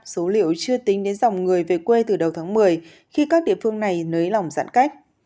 số liệu chưa tính đến dòng người về quê từ đầu tháng một mươi khi các địa phương này nới lỏng giãn cách